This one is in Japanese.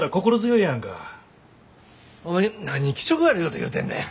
何気色悪いこと言うてんねん。